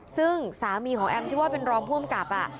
ซึ่งสามีของแอมที่ว่าเป็นรองผู้อำกับ